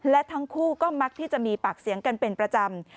และทั้งคู่ก็มักที่จะมีปากเสียงกันเป็นประจำ